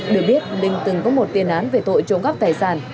được biết linh từng có một tiền án về tội trộm cắp tài sản